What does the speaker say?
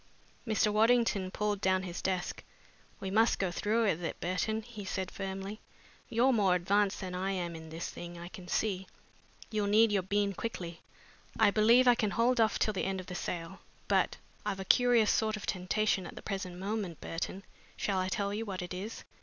Mr. Waddington pulled down his desk. "We must go through with it, Burton," he said firmly. "You're more advanced than I am in this thing, I can see. You'll need your bean quickly. I believe I can hold off till after the sale. But I've a curious sort of temptation at the present moment, Burton. Shall I tell you what it is?"